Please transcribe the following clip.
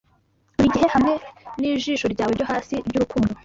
burigihe hamwe nijisho ryawe ryo hasi ryurukundo